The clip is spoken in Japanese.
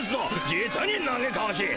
実になげかわしい。